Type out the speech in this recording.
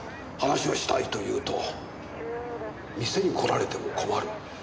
話をしたいと言うと「店に来られても困る。